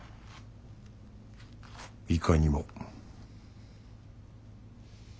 いかにも。